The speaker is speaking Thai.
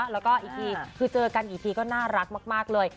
แล้วก็อีกทีคือเจอกันกี่ทีก็น่ารักมากเลย